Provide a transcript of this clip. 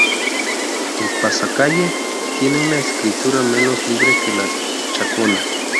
El Pasacalle tiene una escritura menos libre que la Chacona.